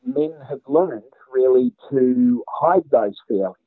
mereka telah belajar untuk menghidupkan perasaan itu